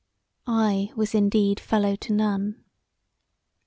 I was indeed fellow to none.